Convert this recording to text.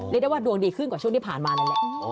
เรียกได้ว่าดวงดีขึ้นกว่าช่วงที่ผ่านมานั่นแหละ